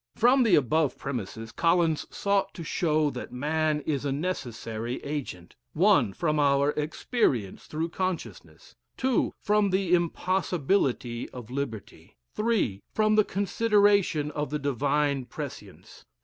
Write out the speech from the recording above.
From the above premises, Collins sought to show that man is a necessary agent. (1) From our experience (through consciousness.) (2) From the impossibility of liberty. (3) From the consideration of the divine prescience.